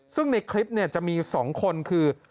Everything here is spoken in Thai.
ซึ่งในคลิปจะมี๒คนคือ